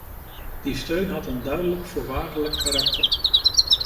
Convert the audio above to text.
Die steun had een duidelijk voorwaardelijk karakter.